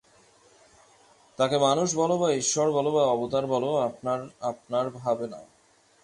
তাঁকে মানুষ বল বা ঈশ্বর বল বা অবতার বল, আপনার আপনার ভাবে নাও।